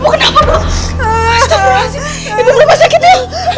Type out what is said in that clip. ibu kenapa sakitnya